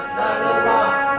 al yudin memperkenalkan rumah